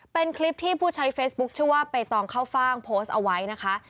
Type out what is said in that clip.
เป็นคลิปที่ผู้ใช้เฟซบุ๊คชื่อว่าใบตองเข้าฟ่างโพสต์เอาไว้นะคะ